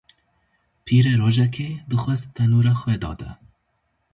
Pîrê rojekê dixwest tenûra xwe dade.